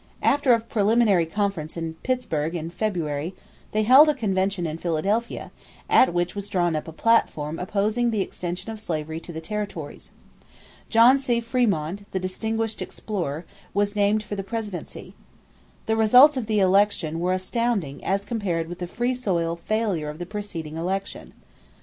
After a preliminary conference in Pittsburgh in February, they held a convention in Philadelphia at which was drawn up a platform opposing the extension of slavery to the territories. John C. Frémont, the distinguished explorer, was named for the presidency. The results of the election were astounding as compared with the Free soil failure of the preceding election.